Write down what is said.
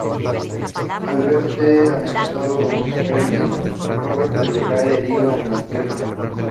Al verse amenazado, don Fermín corre pero cae herido en las piernas.